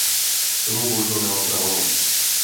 K tomu bohužel nemám pravomoc.